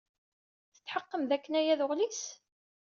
Tetḥeqqem dakken aya d uɣlis?